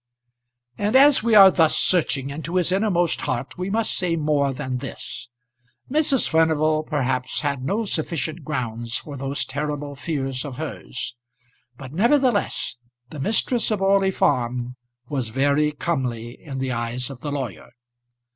And as we are thus searching into his innermost heart we must say more than this. Mrs. Furnival perhaps had no sufficient grounds for those terrible fears of hers; but nevertheless the mistress of Orley Farm was very comely in the eyes of the lawyer.